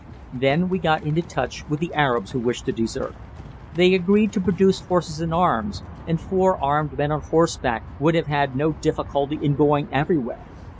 Then we got into touch with the Arabs who wished to desert. They agreed to produce horses and arms; and four armed men on horseback would have had no difficulty in going anywhere.